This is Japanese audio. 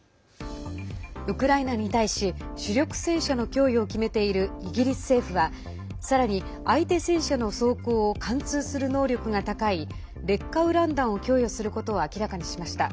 ウクライナに対し主力戦車の供与を決めているイギリス政府はさらに相手戦車の装甲を貫通する能力が高い劣化ウラン弾を供与することを明らかにしました。